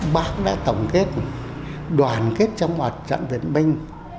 bác đã tổng thiết đoàn kết trong một trận vận binh